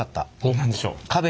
何でしょう。